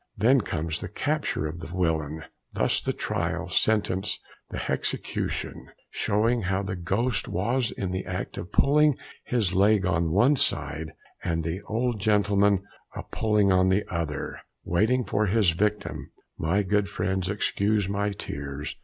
Then comes the capture of the willain; also the trial, sentence, and hexecution, showing how the ghost was in the act of pulling his leg on one side, and the 'old gentleman' a pulling on the other, waiting for his victim (my good friends excuse my tears!)